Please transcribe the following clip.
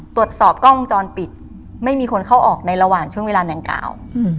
ตรวจสอบกล้องวงจรปิดไม่มีคนเข้าออกในระหว่างช่วงเวลาดังกล่าว